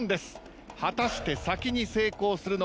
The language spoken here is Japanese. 果たして先に成功するのはどちらか。